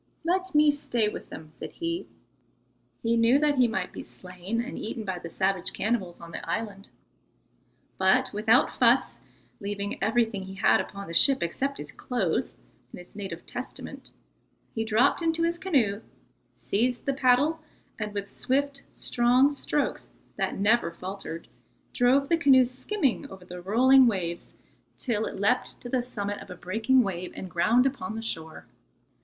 "Let me stay with them," said he. He knew that he might be slain and eaten by the savage cannibals on the island. But without fuss, leaving everything he had upon the ship except his clothes and his native Testament, he dropped into his canoe, seized the paddle, and with swift, strong strokes that never faltered, drove the canoe skimming over the rolling waves till it leapt to the summit of a breaking wave and ground upon the shore.